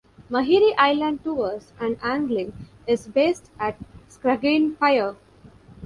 Maheree Island Tours and Angling is based at Scraggane Pier.